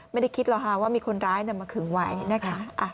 ไม่ได้คิดเลยคะว่ามีคนร้ายนำเข้ามาขึงไว้